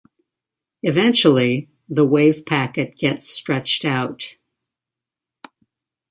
Eventually, the wave packet gets stretched out.